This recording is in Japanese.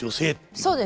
そうです。